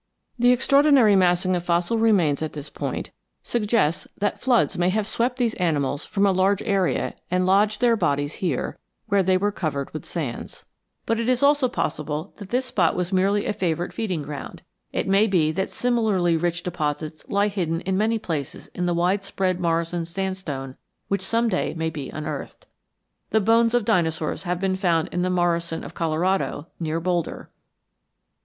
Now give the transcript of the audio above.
The extraordinary massing of fossil remains at this point suggests that floods may have swept these animals from a large area and lodged their bodies here, where they were covered with sands. But it also is possible that this spot was merely a favorite feeding ground. It may be that similarly rich deposits lie hidden in many places in the wide spread Morrison sandstone which some day may be unearthed. The bones of dinosaurs have been found in the Morrison of Colorado near Boulder.